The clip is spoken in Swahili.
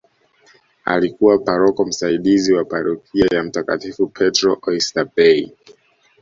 Alikuwa paroko msaidizi wa parokia ya mtakatifu Petro oysterbay